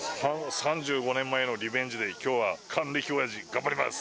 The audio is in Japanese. ３５年前のリベンジで今日は還暦おやじ頑張ります